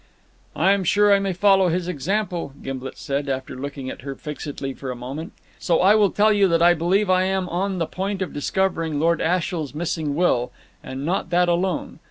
"I am sure I may follow his example," Gimblet said, after looking at her fixedly for a moment. "So I will tell you that I believe I am on the point of discovering Lord Ashiel's missing will and not that alone.